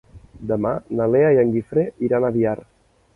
Demà na Lea i en Guifré iran a Biar.